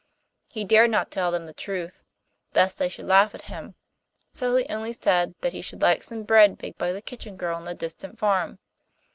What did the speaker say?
He dared not tell them the truth, lest they should laugh at him, so he only said that he should like some bread baked by the kitchen girl in the distant farm.